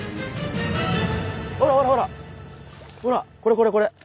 ほらほらほらほらこれこれこれ。